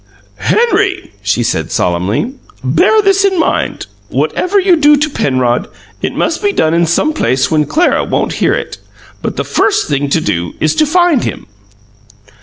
"Henry," she said solemnly, "bear this in mind: whatever you do to Penrod, it must be done in some place when Clara won't hear it. But the first thing to do is to find him."